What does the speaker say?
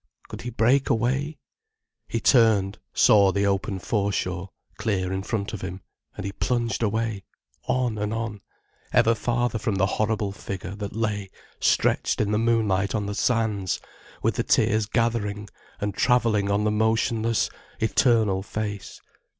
Could he break away? He turned, saw the open foreshore, clear in front of him, and he plunged away, on and on, ever farther from the horrible figure that lay stretched in the moonlight on the sands with the tears gathering and travelling on the motionless, eternal face.